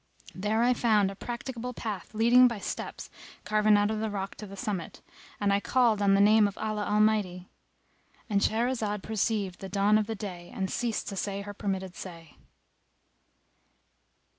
There I found a practicable path leading by steps carven out of the rock to the summit, and I called on the name of Allah Almighty"[FN#259]—And Shahrazad perceived the dawn of day and ceased to say her permitted say.